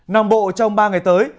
nằm bộ trong ba ngày tới